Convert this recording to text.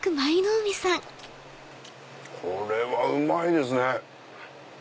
これはうまいですね！